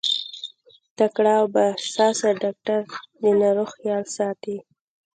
تکړه او با احساسه ډاکټر د ناروغ خيال ساتي.